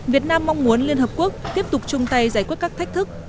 việt nam mong muốn liên hợp quốc tiếp tục chung tay giải quyết các thách thức